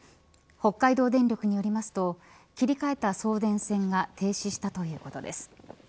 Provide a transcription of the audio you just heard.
北海道電力によりますと切り替えた送電線が停止したということです。